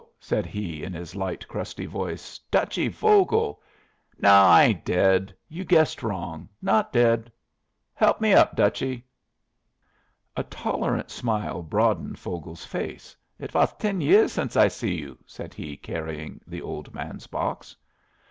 said he, in his light, crusty voice. "Dutchy Vogel. No, I ain't dead. You guessed wrong. Not dead. Help me up, Dutchy." A tolerant smile broadened Vogel's face. "It was ten years since I see you," said he, carrying the old man's box.